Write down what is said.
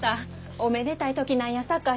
おめでたい時なんやさかい